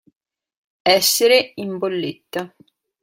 Essere in bolletta.